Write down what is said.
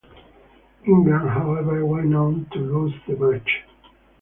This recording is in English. England, however, went on to lose the match.